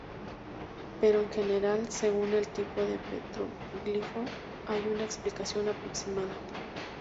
Pero en general según el tipo de petroglifo hay una explicación aproximada.